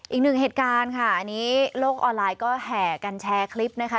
อีกหนึ่งเหตุการณ์ค่ะอันนี้โลกออนไลน์ก็แห่กันแชร์คลิปนะคะ